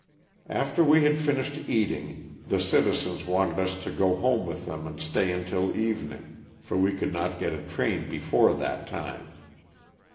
After we had finished eating the citizens wanted us to go home with them and stay until evening, for we could not get a train before that time.